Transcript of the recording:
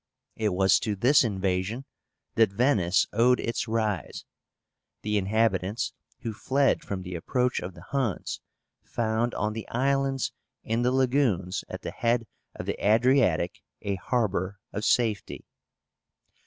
It was to this invasion that VENICE owed its rise. The inhabitants, who fled from the approach of the Huns, found on the islands in the lagoons at the head of the Adriatic a harbor of safety.